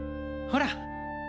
ほら。